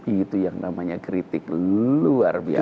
itu yang namanya kritik luar biasa